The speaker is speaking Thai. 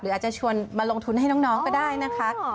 อาจจะชวนมาลงทุนให้น้องก็ได้นะคะ